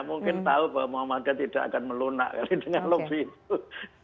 mungkin tahu bahwa muhammadiyah tidak akan melunak dengan lobby itu